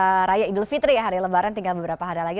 hari raya idul fitri ya hari lebaran tinggal beberapa hari lagi